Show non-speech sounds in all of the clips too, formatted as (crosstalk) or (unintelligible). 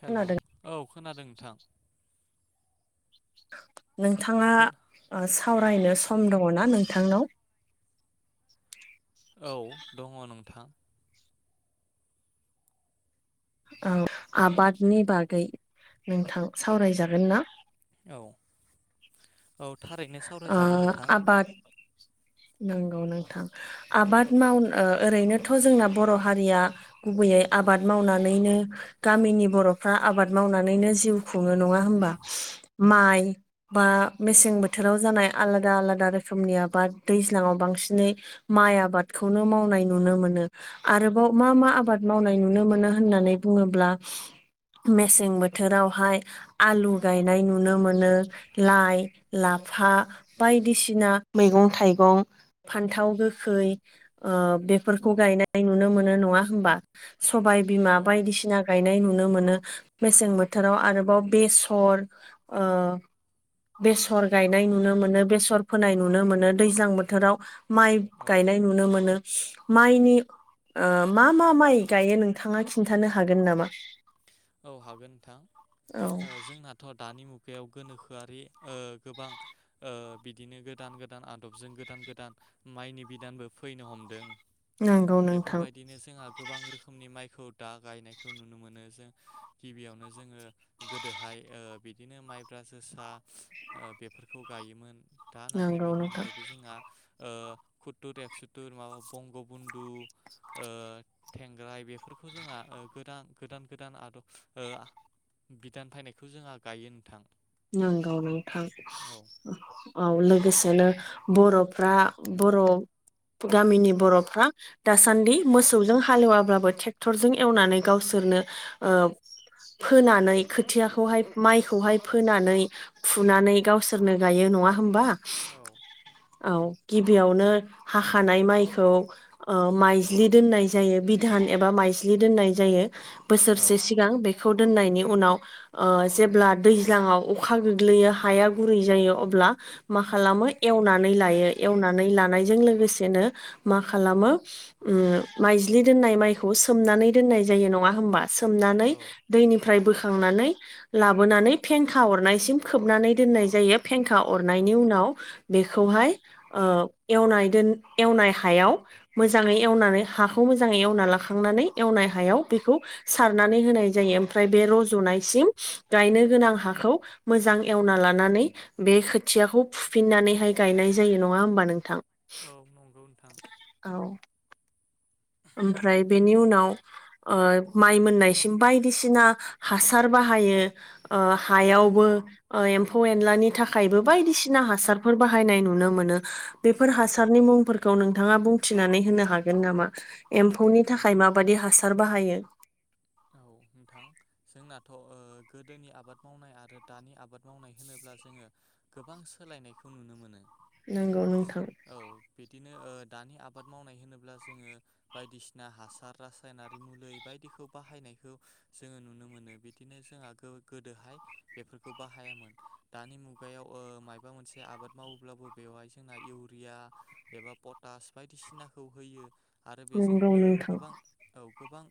Hello खोनादों औ खोनादों नोंथां नोंथाङा खोन ओ सावरायनो सम दङ ना नोंथांनाव? औ दङ नोंथां। औ आबादनि बागै नोंथां सावरायजागोन ना? औ औ थारैनो ओ सावरायजागोन नोंथां आबाद नंगौ नोंथां आबाद मावनो ओरैनोथ' जोंना बर' हारिया गुबैयै आबाद मावनानैनो गामिनि बर'फ्रा आबाद मावनानैनो जिउ खुंङोनो नङा होमबा? माइ बा मेसें बो थोराव जानाय आलादा आलादा रोखोमनि आबाद दैज्लाङाव बांसिनै माइ आबादखौनो माव नाय नुनो मोन आरोबाव मा मा आबाद मावनाय नुनो मोनो होननानै बुङोब्ला मेसें बोथोरावहाय आलु गायनाय नुनो मोनो लाइ लाफा बायदिसिना मैगं थाइगं फान्थाव गोखै ओ बे औ फोरखौ गायनाय नुनो मोन नङा होमबा सबाय बिमा औ बायदिसिना गायनाय नुनो मोनो मेसें बोथोराव आरोबाव बेसर ओ बेसर गायनाय नुनो मोनो बेसर फोनाय नुनो मोनो दैज्लां बोथोराव माइ औ गायनाय नुनो मोनो। माइनि ओ मा मा माइ गायो नोंथाङा खिन्थानो हागोन नामा? औ हागोन नोंथां औ ओ जोंनाथ' दानि मुग गायाव गोनोखोआरि गोबां बिदिनो गोदान गोदान आदबजों गोदान गोदान माइनि बिदानबो फैनो हमदों नंगौ नोंथां बेफोरबायदिनो जोंहा गोबां रोखोमनि माइखौ दा गायनायखौ नुनो मोनो जों गिबियावनो जोङो गोदोहाय ओ बिदिनो माइब्रा जोसा बे फोरखौ गायोमोन दा नाथाय नंगौ बेनि नोंथां अनगायैबो जोंहा ओ कुथुर, एकसुथुर माबा बंग बधु, थेंग्राय बेफोरखौ जोंहा गोदान गोदान आदब ओ बिदान फैनायखौ जोंहा गायो नोंथां नंगौ नोंथां औ औ लोगोसेनो बर'फ्रा बर' गामिनि बर'फ्रा दासान्दि औ मोसौजों हालेवाब्लाबो ट्रेक्टरजों एवनानै गावसोर नो ओ फोनानै खोथियाखौ हाय मायखौ हाय फोनानै फुनानै गावसोरनो गायो नङा होमबा औ औ गिबियावनो हाखानाय माइखौ ओ माइज्लि दोननाय जायो बिधान न एबा मायज्लि दोननाय जायो बोसोरसे सिगां बेखौ दोननायनि उनाव ओ जेब्ला दै ज्लांङाव अखा गोग्लैयो हाया गुरै जायो अब्ला मा खालामो एवनानै लायो एवना नानै लानायजों लोगोसेनो मा खालामो उम मायज्लि दोननाय मायखौ सोम नानै दोननाय जायो नङा होमबा औ सोमनानै दैनिफ्राय बोखांनानै लाबोनानै फेंखा अरनायसिम खोबनानै दोननाय जायो फेंखा अरनायनि उनाव बेखौहाय ओ एवनाय दोन एवनाय हायाव मोजाङै एवनानै हाखौ मोजाङै एवना लाखांनानै एवनाय हायाव बेखौ सारनानै होनाय जायो ओमफ्राय बे रज'नाय सिम गायनो गोनां हाखौ मोजां एवना लानानै बे खोथियाखौ फुफिननानै हाय गायनाय जायो नंङा होमबा? नोंथां औ नंगौ नोंथां औ ओमफ्राय बेनि उनाव ओ माइ मोननायसिम बायदिसिना हासार बाहायो ओ औ हायावबो ओ एम फौ एनलानि थाखायबो बायदिसिना हासारफोर बाहायनाय नुनो मोनो बेफोर औ हासारनि मुंफोर खौ नोंथाङा बुंथिनानै होनो हागोन नामा एम्फौनि औ थाखाय माबायदि हासार बाहायो। औ नोंथां जोंनाथ' ओ गोदोनि आबाद मावनाय आरो दानि आबाद मावनाय होनोब्ला जोङो। गोबां सोलायनायखौ नुनो मोनो। नोंगौ नोंथां। औ बिदिनो ओ दानि आबाद मावनाय होनोब्ला जोङो बायदिसिना हासार रासायनारि मुलि बायदिखौ बाहायनायखौ जोङो नुनो मोनो बिदिनो जोंहा गो-गोदोहाय बेफोरखौ बाहायामोन। दानि मुगायाव ओ मायाबा मोनसे आबाद मावोब्लाबो बेवहाय जोंना इउरिया एबा फथ टास बायदिसिनाखौ होयो। आरो बेजों नंगौ ओ नोंथां गोबां औ गोबां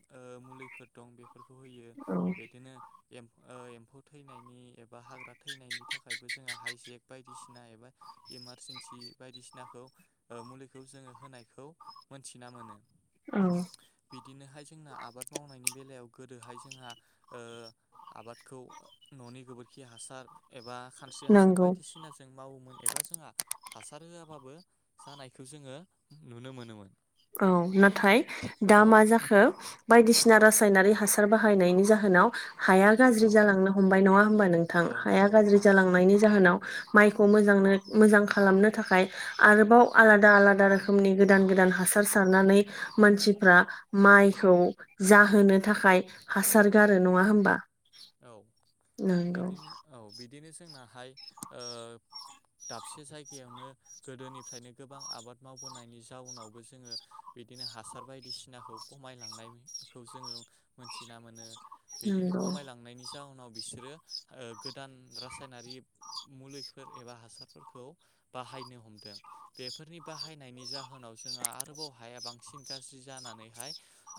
मुलिफोर दं बे बेफोरखौ होयो औ बिदिनो एम ओ एम्फौ थैनायनि एबा हाग्रा थैनायनि थाखायबो जोंहा हाइजेक बायदिसिना एबा इमारजिन्सि बायदिसिनाखौ ओ मुलिखौ जोंङो होनायखौ मोनथिना मोनो। औ बिदिनोहाय जोंना आबाद मावनायनि बेलायाव गोदोहाय जोंहा ओ आबादखौ न'नि गोबोरखि हासार एबा खानस्रि हासार नंगौ बायदिसिना जों मावोमोन एबा जोंहा हासार होआबाबो जानायखौ जोंङो नुनो मोनोमोन। औ नाथाय दा औ मा जाखो बायदिसि सिना रासायनारि हासार बाहायनायनि जाहोनाव हाया औ गाज्रि जालांनो हमबाय नंङा हबा नोंथां औ हाया नंगौ गाज्रि नोंथां जालांनायनि जाहोनाव माइखौ मोजांनो मोजां खालामनो थाखाय आरोबाव आलादा आलादा रोखोमनि गोदान गोदान हास - सार सारनानै मानसिफ्रा माइखौ जाहोनो थाखाय हासार गारो ‌ नंङा होमबा? औ नंगौ बिदिनो औ बिदिनो जोंनाहाय ओ दाबसे जायगायावनो गोदोनिफ्रायनो गोबां आबाद मावबोनायनि जाउनावबो जोंङो बिदिनो हासार बायदिसिनाखौ खमायलांनायखौ जोंङो मोनथिना मोनो। बिदिनो नंगौ खमायलां नि जााहोनाव बिसोरो ओ गोदान रासायनारि मुलिफोर एबा हासारफोरखौ बाहायनो हमदों बेफोरनि बाहायनायनि जाहोनाव जोंहा आरोबाव हाया बांसिन गाज्रि जानानैहाय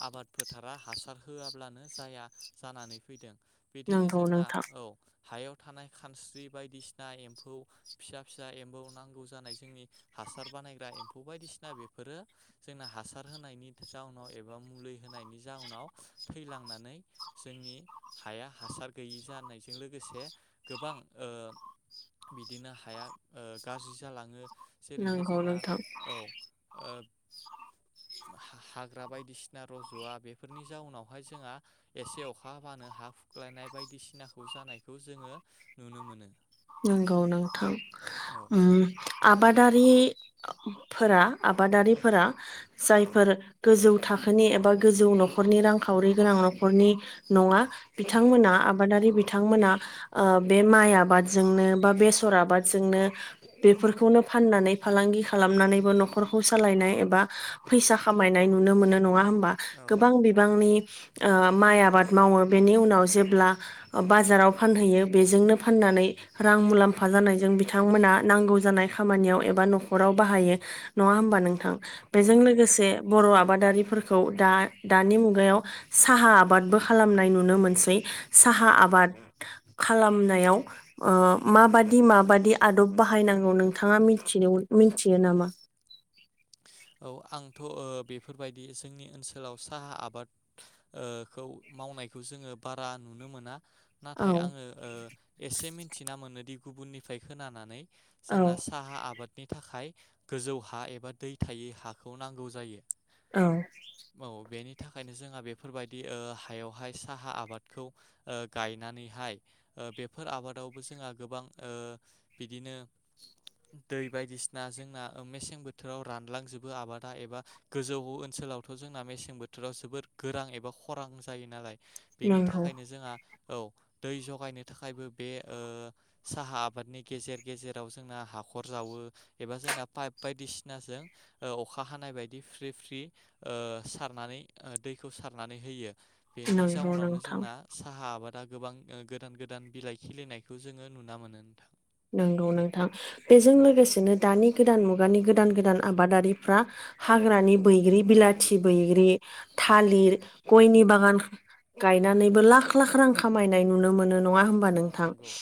आबाद फोथारा हासार होआब्लानो जाया जानानै फैदों। बिदिनो नंगौ जोंना नोंथां औ हायाव थानाय खानस्रि बायदिसिना एम्फौ फिसा फिसा एम्फौ नांगौ जानाय जोंनि हा हासार बानायग्रा एम्फौ बायदिसिना बेफोरो जोंना हासार होनायनि जाउनाव एबा मुलि होनाय नि जाउनाव थै लांनानै जोंनि हाया हासार गैयि जानायजों लोगोसे गोबां ओ बिदिनो हाया ओ गाज्रि जालांङो। जेरैहाय नंगौ जोंहा नोंथां औ ओब (inaudible) हा- हा हाग्रा बायदिसिना रज'वा बेफोरनि जाउनावहाय जोंहा एसे अखा हाबानो हा हुख्लायनाय बायदिसिनाखौ जानायखौ जोंङो नुनो मोनो। नंगौ नोंथां औ उम आबादारि फोरा आबादारिफोरा औ जायफोर गोजौ थाखोनि एबा गोजौ न'खरनि रांखावरि गोनां न'खरनि नंङा। बिथांमोना आबादारि बिथांमोना ओ बे माइ आबाद जोंनो बा बेसर आबादजोंनो बेफोरखौनो फाननानै फालांगि खालामनानैबो न'खर खौ सालायनाय एबा फैसा खामायनाय नुनो मोनो नंङा होमबा? औ औ गोबां बिबांनि ओ माइ आबाद मावो बेनि उनाव जेब्ला बाजाराव फानहैयो बेजोंनो फाननानै रां मुलाम्फा जानायजों बिथांमोना नांगौ जानाय खामानियाव एबा न'खराव बाहायो नंङा होम बा नोंथां औ बेजों नंगौ लोगोसे बर' आ बादारि फोरखौ दा-दानि मुगायाव साहा आबादबो खालामनाय नुनो मोनसै। साहा औ आबाद खालामनायाव ओ माबादि माबादि आदब बाहायनांगौ नोंथांङा मिथिनो मिथियो नामा? (inaudible) औ आंथ' ओ बेफोरबायदि जोंनि ओनसोलाव साहा आबाद ओ खौ मावन नाय खौ जोंङो बारा नुनो मोना। औ नाथाय आंङो ओ एसे मिथिना मोनोदि गुबुननिफ्राय खोनानानै औ जोंना साहा आबादनि थाखाय गोजौ हा एबा दै थायै हाखौ नांगौ जायो औ औ बेनि बेनि थाखायनो जोंहा बेफोरबायदि ओ हायावहाय साहा आबादखौ ओ गायनानैहाय ओ बेफोर आबादावबो जोंहा गोबां ओ बिदिनो दै बायदिसिना जोंना ओ मेसें बोथोराव रानलांजोबो आबादा एबा गोजौ ओनसोलावथ' जोंना मेसें बोथोराव जोबोर गोरां एबा खरां जायो नालाय बेनि नंगौ थाखायनो जोंहा औ दै जगायनो थाखायबो बे ओ साहा आबादनि गेजेर गेजेराव जोंना हाब हाखर जावो एबा जोंना पाइप बायदिसि सिनाजों ओ अखा हानाय बायदि फ्रि फ्रि ओ सारनानै दैखौ सारनानै होयो बेनि नंगौ जाउनावनो नोंथां जोंना साहा आबाद दा गोबां ओ गोदान गोदान बिलाइ खिलिनायखौ जोङो नुना मोनो नोथां नंगौ नोंथां बेजों लोगोसेनो दानि गोदान मुगानि गोदान गोदान आबादारिफ्रा हाग्रानि बैग्रि बिलाथि बैग्रि थालिर गयनि बागान गायनानैबो लाख लाख रां खामायनाय नुनो मोनो नङा होनबा औ नोंथां नंगौ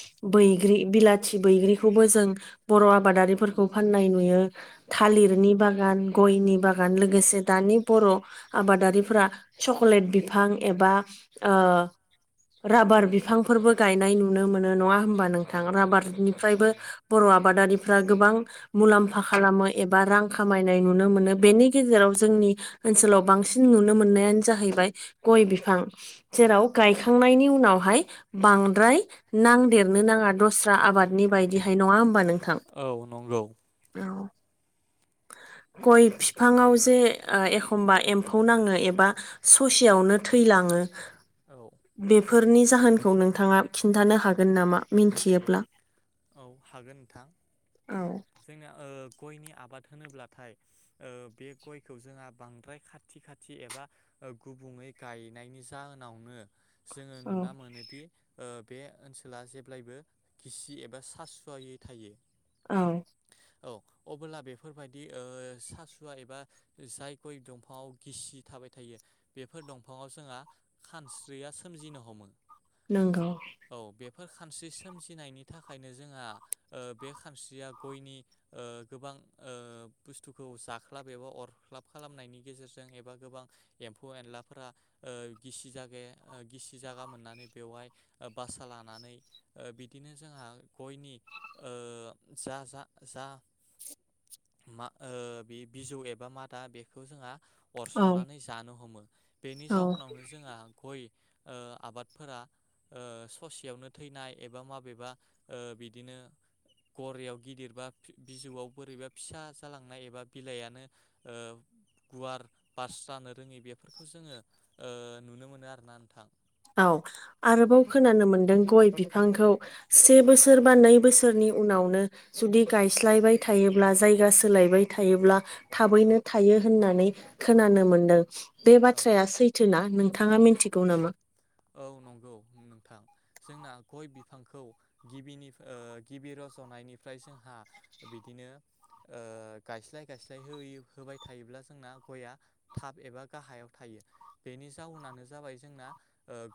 नंगौ बैग्रि बिला बैग्रिखौबो जों बर' आबादारिफोरखौ फाननाय नुयो औ थालिरनि बागान गयनि बागान लोगोसे दानि बर' आबादारिफोरा चकलेट बिफां एबा ओ औ राबार बिफांफोरबो गायनाय नुनो मोनो नङा होन होमबा औ नोंथां नंगौ नोंथां रााबारनिफ्रायबो थारैनो बर' आबादारि फ्रा गोबां मुलाम्फा खालामो एबा रां खामायनाय नुनो मोनो बेनि गेजेराव जोंनि ओनसोलाव बांसिन नुनो मोननायानो जाहैबाय गय बिफां औ जेराव गायखांनायनि उनावहाय बांद्राय नांदेरनो नाङा दस्रा नि बायदिहाय नङा होमबा नोंथां औ नंगौ औ (unintelligible) (inaudible) गय बिफाङाव जे ओ एखमबा एम्फौ नाङो एबा ससेयावनो थैलाङो औ आङो बेफोरनि जाहोनखौ नोंथाङा खिन्थानो हागोन नामा मिथियोब्ला औ हागोन नोंथां औ जोंना ओ गयनि आबाद होनोब्लाथाय ओ बे गयखौ जोंहा बांद्राय खाथि खाथि एबा ओ गुबुङै गायनायनि जाहोनावनो जोङो नुना औ मोनोदि ओ बे ओनसोला जेब्लायबो खिसि एबा एा सासुवायै थायो औ औ अबोब्ला बेफोरबायदि ओ सासुवा एबा जायखौय दंफाङाव गिसि था थाबाय थायो बेफोर दंफाङाव जोंहा खानस्रिया सोमजिनो हमो नोंगौ बे फोर खानस्रि सोमजिनायनि थाखाय थाखायनो जोंहा ओ बे खानस्रिया गयनि ओ गोबां ओ बुस्थुखौ नाख्लाब एबा अरख्लाब खालामनायनि गेजेरजों एबा गोबां एम्फौ एनलाफोरा ओ गिसि गि जागे गिसि जागा मोननानै बेवहाय ओ बासा लानानै ओ बिदिनो जोंहा गयनि ओ जा-जा-जा मा ओ बे बिजौ एबा मादा बेखौ जोंहा औ अरस'नानै जानो हमो बेनि औ जाउनावनो जोंया गय ओ आबादफोरा ओ ससेयावनो थैनाय एबा माबेबा ओ बिदिनो गरायाव गिदिरबा बिजौआव बोरैबा फिसा जालांनाय एबा बिलाइनो ओ गुवार बास जानो रोङि बेफोरखौ जोङो ओ नुनो मोनो आरोना नोंथां औ आरोबाव औ खोनानो मोनदों गय बिफ बिफांखौ से बोसोर बा नै बोसोरनि उनावनो जुदि गायस्लायबाय थायोब्ला जाय जायगा सोलायबाय थायोब्ला। औ थाबैनो थायो होननानै खोनानो मोनदों बे औ बाथ्राया सैथोना। नोंथाङा मिथिगौ नामा? औ नंगौ नोंथां जोंना गय बिफांखौ गिबिनि गिबि रज'नायनिफ्राय जोंहा बिदिनो यो ओ गायस्लाय गायसन्नाय होयो होबाय थायोब्ला जोंना गया थाब एबा गा गाहायाव थायो बेनि जाउनानो जाबाय जोंना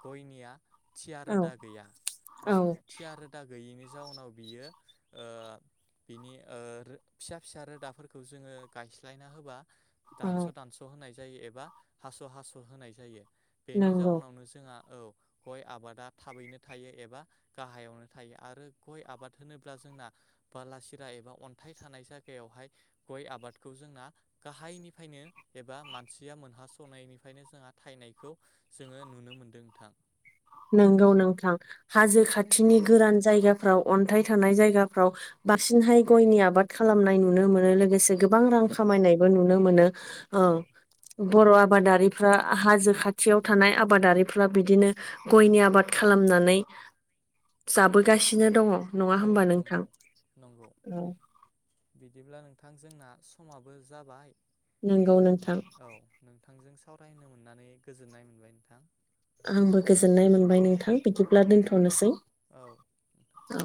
गयनिया थिया औ रोदा गैया औ थिय रोदा गैयिनि जाउनाव बियो ओ बिनि ओ रो फिसा फिसा रोदाफोरखौ जोङो गायस्लायना होबा। औ दानस' दानस' होनाय जायो एबा हास' हास' होनाय जायो बेनि नंगौ जाउनावनो ज (inaudible) गय आबादा थाबैनो थायो एबा गाहायावनो थायो आरो गय आबाद होनोब्ला जोंना बालासिरा एबा अन्थाइ थानाय जायगायावहाय गय आबादखौ जोंना गाहायनिफ्रायनो एबा मानसिया मोनहासनायनिफ्रायनो जोंहा थायनायखौ जोङो नुनो मोन नोंथां। नंगौ नोंथां हाजो औ खाथिनि गोरान जायगाफ्राव अन्थाइ थानाय जायगाफ्राव बांसिनहाय गयनि आबाद खालामनाय नुनो मोनो लोगोसे गो गोबां रां औ खामायनायबो नुनो मोनो औ ओं बर' आबादारिफ्रा हाजो खाथियाव थानाय आबादारिफ्रा बिदिनो गयनि आबाद खालामनानै जाबोगासिनो दङ। नङा औ होमबा नोंथां नंगौ नंगौ औ बिदिब्ला नोंथां जोंना समाबो जाबाय नंगौ नोंथां। औ नोंथांजों सावरायनो मोननानै गोजोननाय मोनबाय नोंथां। आंबो गोजोननाय मोनबाय औ नोंथां बिदिब्ला दोनथ'नोसै औ